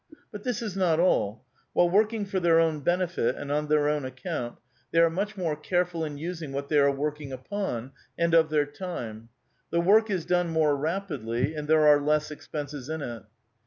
But this is not all ; while working for their own benefit and on their own account, they are much more careful in using what they are working upon, and of their time ; the work is done more rapidly, and there are less expenses in it.